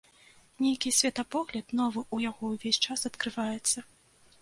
Нейкі светапогляд новы ў яго ўвесь час адкрываецца.